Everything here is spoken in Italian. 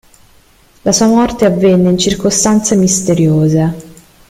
La sua morte avvenne in circostanze misteriose.